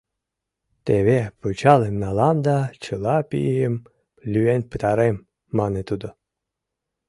— Теве пычалым налам да чыла пийым лӱен пытарем! — мане тудо.